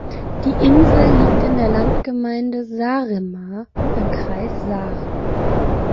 Die Insel liegt in der Landgemeinde Saaremaa im Kreis Saare.